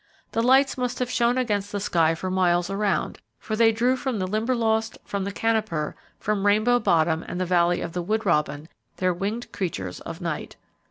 The lights must have shone against the sky for miles around, for they drew from the Limberlost, from the Canoper, from Rainbow Bottom, and the Valley of the Wood Robin, their winged creatures of night.